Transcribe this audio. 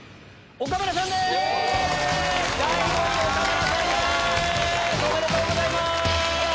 おめでとうございます！